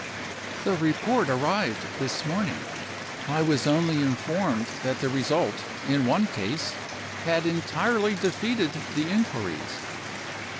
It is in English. "The report arrived this morning. I was only informed that the result, in one case, had entirely defeated the inquiries.